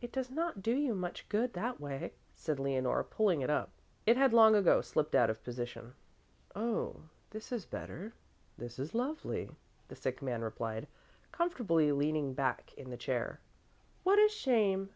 It does not do you much good that way," said Leonore, pulling it up. It had long ago slipped out of position. "Oh, this is better, this is lovely," the sick man replied, comfortably leaning back in the chair. "What a shame!